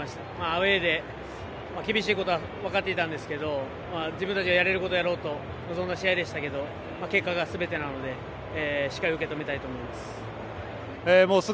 アウェーで厳しいことは分かっていたんですが自分たちのやれることをやろうと臨んだ試合でしたが結果がすべてなのでしっかり受け止めたいと思います。